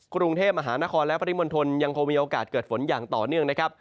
กรุงเทพมหานครและปริมณฑลยังคงมีโอกาสเกิดฝนอย่างต่อเนื่องนะครับ